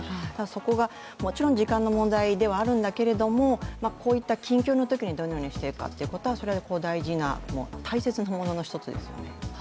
そこがもちろん時間の問題ではあるんだけれどもこういった緊急のときにはどうしていくかは大事な、大切なものの一つですよね。